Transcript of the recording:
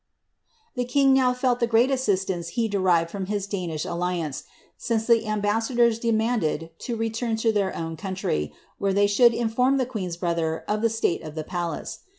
The king now felt the great assistance he derived from his Danish alliance, since the ambassadors demanded to return to their own coun try, where they should inform the queen's brother of the state of the palace.